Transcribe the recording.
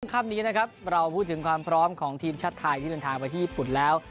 ค่ำนี้นะครับเราพูดถึงความพร้อมของทีมชาติไทยที่เดินทางไปที่ญี่ปุ่นแล้ว